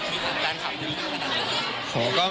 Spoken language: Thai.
มีแฟนคัมที่รู้สึกดีกว่านั้นหรือ